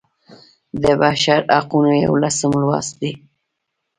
د بشر حقونه یوولسم لوست دی.